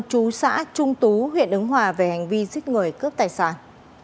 chú xã trung tú huyện ứng hòa về hành vi giết người cướp tài sản